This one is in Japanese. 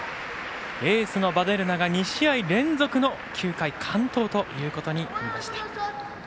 エースのヴァデルナが２試合連続の９回完投ということになりました。